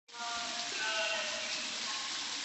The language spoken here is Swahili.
kwasababu ya ustahimilivu wao wa maambukizi ya kupe